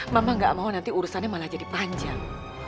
mama gak mau nanti urusannya malah jadi panjang